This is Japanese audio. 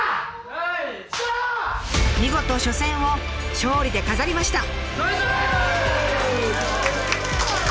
見事初戦を勝利で飾りました。